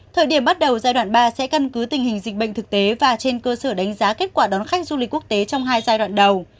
thời điểm bắt đầu giai đoạn ba sẽ căn cứ tình hình dịch bệnh thực tế và trên cơ sở đánh giá kết quả đón khách du lịch quốc tế trong hai giai đoạn đầu